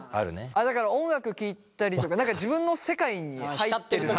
だから音楽聴いたりとか自分の世界に入ってる時だね。